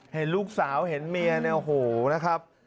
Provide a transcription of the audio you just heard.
เห็นลูกสาวเห็นเมียเนี่ยโอ้โหนะครับ